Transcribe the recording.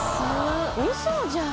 ウソじゃん。